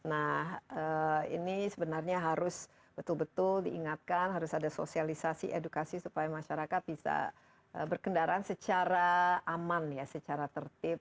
nah ini sebenarnya harus betul betul diingatkan harus ada sosialisasi edukasi supaya masyarakat bisa berkendaraan secara aman secara tertib